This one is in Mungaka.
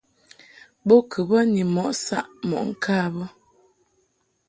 Bo kɨ bə ni mɔʼ saʼ mɔʼ ŋka bə.